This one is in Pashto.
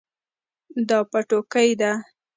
دا پټوکۍ ده